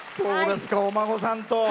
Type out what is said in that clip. お孫さんと。